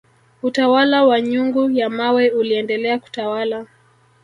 utawala wa nyungu ya mawe uliendelea kutawala